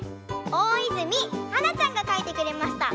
おおいずみはなちゃんがかいてくれました。